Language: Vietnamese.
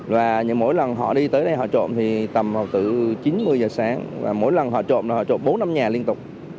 và mỗi lần họ đi tới đây họ trộm thì tầm vào từ chín mươi giờ sáng và mỗi lần họ trộm là họ trộn bốn năm nhà liên tục